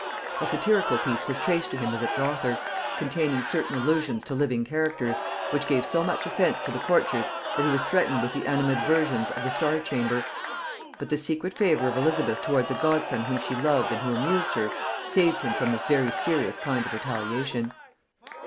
A satirical piece was traced to him as its author, containing certain allusions to living characters, which gave so much offence to the courtiers, that he was threatened with the animadversions of the star chamber; but the secret favor of Elizabeth towards a godson whom she loved and who amused her, saved him from this very serious kind of retaliation.